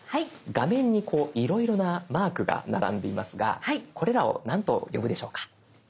画面にこういろいろなマークが並んでいますがこれらを何と呼ぶでしょうか？